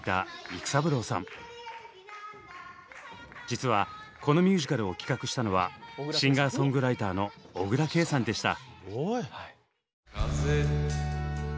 実はこのミュージカルを企画したのはシンガーソングライターの小椋佳さんでした。